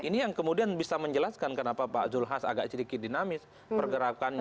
ini yang kemudian bisa menjelaskan kenapa pak zulhas agak sedikit dinamis pergerakannya